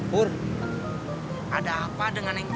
pur ada apa dengan neng tika